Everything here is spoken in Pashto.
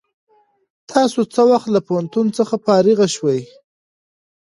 تاسو څه وخت له پوهنتون څخه فارغ شوئ؟